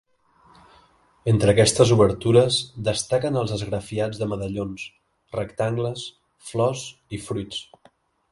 Entre aquestes obertures, destaquen els esgrafiats de medallons, rectangles, flors i fruits.